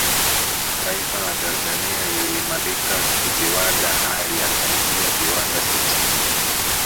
Taifa la Tanzania liliimarika kiviwanda hali ya karibia viwanda sitini